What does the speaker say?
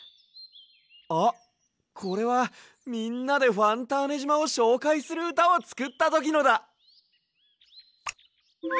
あっこれはみんなでファンターネじまをしょうかいするうたをつくったときのだ！